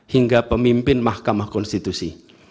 hingga pemimpin mahkamah konstitusi